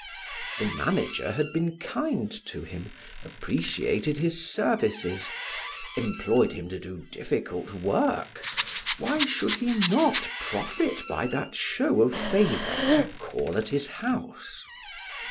The manager had been kind to him, appreciated his services, employed him to do difficult work, why should he not profit by that show of favor to call at his house?